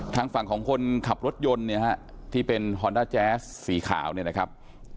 ทางฝั่งของคนขับรถยนต์เนี่ยฮะที่เป็นฮอนด้าแจ๊สสีขาวเนี่ยนะครับ